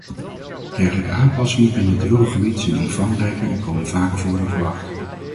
Dergelijke aanpassingen binnen het eurogebied zijn omvangrijker en komen vaker voor dan verwacht.